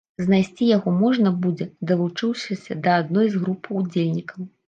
Знайсці яго можна будзе, далучыўшыся да адной з групаў удзельнікаў.